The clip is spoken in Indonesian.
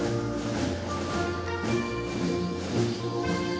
pemenangan peleg dan pilpres dua ribu dua puluh empat